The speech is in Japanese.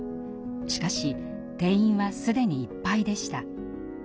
しかし定員は既にいっぱいでした。